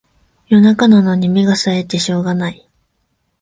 夜中なのに目がさえてしょうがない